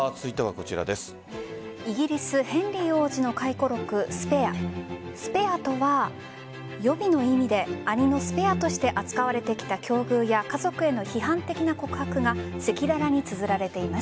イギリス・ヘンリー王子の回顧録「スペア」スペアとは予備の意味で、兄のスペアとして扱われてきた境遇や家族への批判的な告白が赤裸々につづられています。